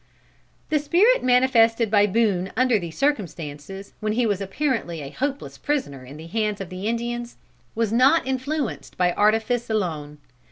The spirit manifested by Boone under these circumstances, when he was apparently a hopeless prisoner in the hands of the Indians, was not influenced by artifice alone.